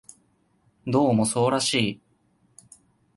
どうもそうらしい